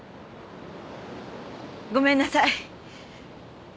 ごめんなさい！